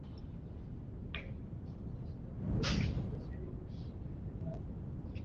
lilifikia takriban dola mia nane harobaini mwaka wa elfu mbili na ishirini na moja